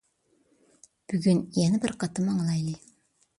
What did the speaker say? بۈگۈن يەنە بىر قېتىم ئاڭلايلى.